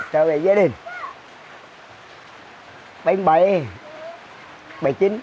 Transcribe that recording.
trở về gia đình